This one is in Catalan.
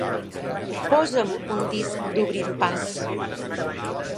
Posa'm un disc d'Obrint pas.